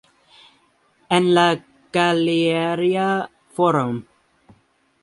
En la Galería Forum.